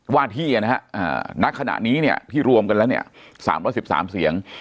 ว่าที่นะฮะณขณะนี้เนี่ยที่รวมกันแล้วเนี่ย๓๑๓เสียง